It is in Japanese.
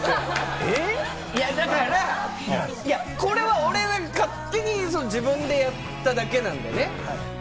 いや、だからこれは、これ勝手に自分でやっただけなんだよね。